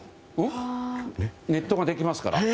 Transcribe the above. ネットができますから。